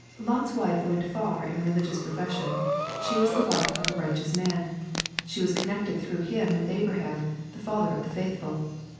Lot's wife went far in religious profession. She was the wife of a "righteous man." She was connected through him with Abraham, the father of the faithful.